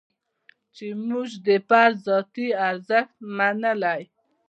چې موږ د فرد ذاتي ارزښت منلی.